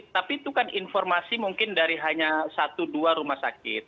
tapi itu kan informasi mungkin dari hanya satu dua rumah sakit